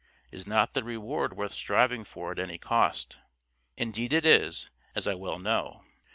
Is not the reward worth striving for at any cost? Indeed it is, as I well know.